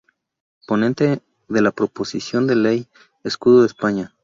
Ponente de la Proposición de Ley del Escudo de España.